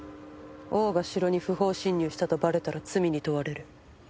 王が城に不法侵入したとバレたら罪に問われる。